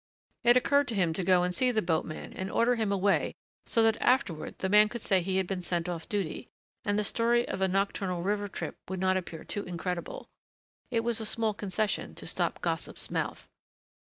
It occurred to him to go and see the boatman and order him away so that afterward the man could say he had been sent off duty, and the story of a nocturnal river trip would not appear too incredible. It was a small concession to stop gossip's mouth.